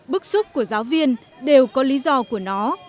bức xúc của giáo viên đều có lý do của nó